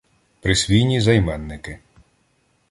Присвійні займенники